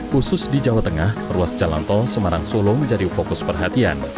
khusus di jawa tengah ruas jalan tol semarang solo menjadi fokus perhatian